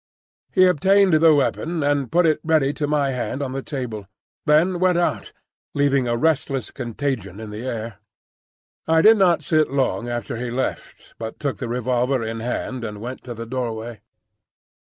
He obtained the weapon, and put it ready to my hand on the table; then went out, leaving a restless contagion in the air. I did not sit long after he left, but took the revolver in hand and went to the doorway.